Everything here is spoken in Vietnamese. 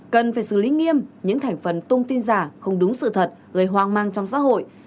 cần phải xử lý nghiêm những thành phần tung tin giả không đúng sự thật gây hoang mang trong xã hội